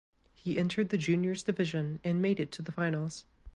He entered the Juniors Division and made it to the finals.